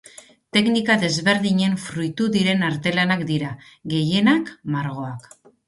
Teknika desberdinen fruitu diren artelanak dira, gehienak margoak.